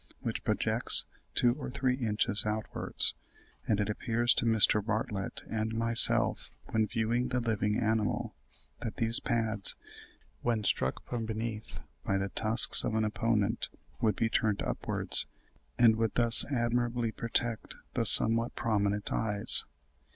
67), which projects two or three inches outwards; and it appeared to Mr. Bartlett and myself, when viewing the living animal, that these pads, when struck from beneath by the tusks of an opponent, would be turned upwards, and would thus admirably protect the somewhat prominent eyes.